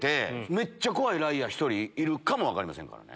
めっちゃ怖いライアー１人いるかも分かりませんから。